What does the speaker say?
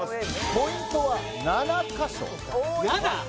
ポイントは７カ所７！？